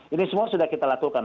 ini semua sudah kita lakukan